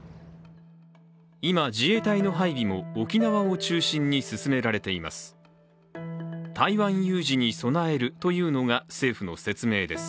今、自衛隊の配備も沖縄を中心に進められています。